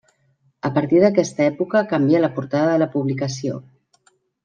A partir d'aquesta època canvia la portada de la publicació.